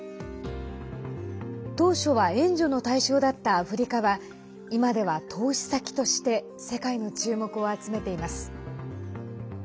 当初は援助の対象だったアフリカは今では投資先として世界の注目を集めています。